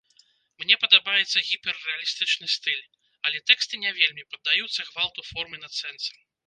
Мне падабаецца гіперрэалістычны стыль, але тэксты не вельмі паддаюцца гвалту формы над сэнсам.